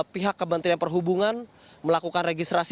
pihak kementerian perhubungan melakukan registrasi